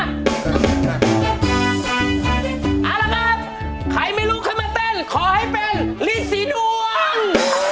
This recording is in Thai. เอาละครับใครไม่รู้ขึ้นมาเต้นขอให้เป็นฤษีดวง